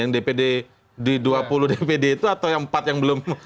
yang dpd di dua puluh dpd itu atau yang empat yang belum